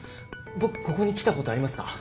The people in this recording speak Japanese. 僕ここに来たことありますか？